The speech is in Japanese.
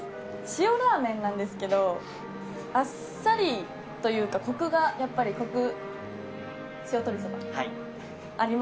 塩ラーメンなんですけどあっさりというかコクがやっぱりコク塩鶏そばありますね。